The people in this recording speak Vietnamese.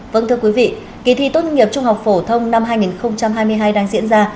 vâng thưa quý vị kỳ thi tốt nghiệp trung học phổ thông năm hai nghìn hai mươi hai đang diễn ra